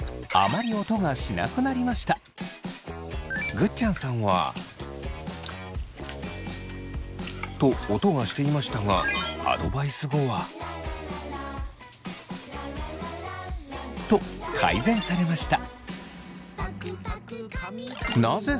ぐっちゃんさんは。と音がしていましたがアドバイス後は？と改善されました。